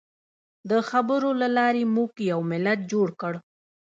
د خبرو له لارې موږ یو ملت جوړ کړ.